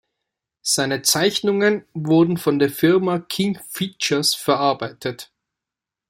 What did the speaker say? Seine Zeichnungen wurden von der Firma "King Features" verbreitet.